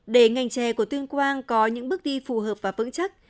để ngành chè của tuyên quang có những bước đi phù hợp và vững chắc